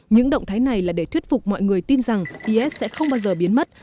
những động thái này là để thuyết phục mọi người tin rằng is sẽ không bao giờ biến mất